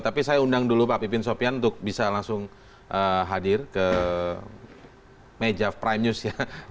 tapi saya undang dulu pak pipin sopian untuk bisa langsung hadir ke meja prime news ya